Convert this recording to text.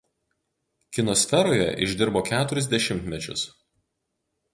Kino sferoje išdirbo keturis dešimtmečius.